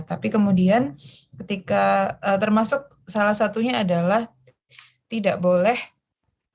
tapi kemudian ketika termasuk salah satunya adalah tidak boleh terjemput ojol ya